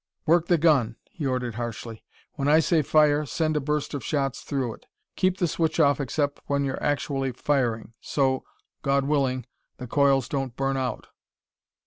"Work the gun," he ordered harshly. "When I say fire, send a burst of shots through it. Keep the switch off except when you're actually firing, so God willing the coils don't burn out.